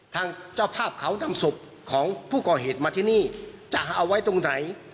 ทางเจ้าภาพเขานำศพของผู้ก่อเหตุมาที่นี่จะเอาไว้ตรงไหน